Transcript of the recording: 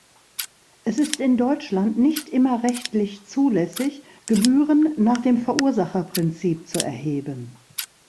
Es ist in Deutschland nicht immer rechtlich zulässig, Gebühren nach dem Verursacherprinzip zu erheben.